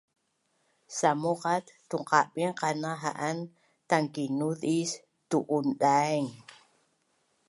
Samuqat tunqabin qana ha’an tangkinuz is tu’un daing